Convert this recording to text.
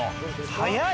早い！